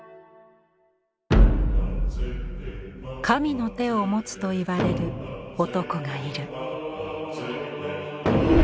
神の手を持つといわれる男がいる。